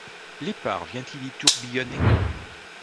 L’épars vient-il y tourbillonner?